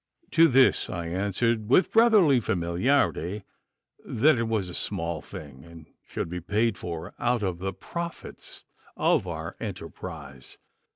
To this I answered with brotherly familiarity that it was a small thing, and should be paid for out of the profits of our enterprise.